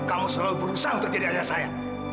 kamu selalu berusaha untuk jadi ayah saya